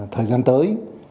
thời gian tới